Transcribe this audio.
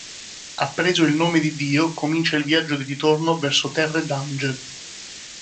Appreso il nome di Dio comincia il viaggio di ritorno verso Terre d'Ange.